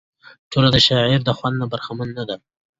ټولنه د شاعر د خوند نه برخمنه نه ده.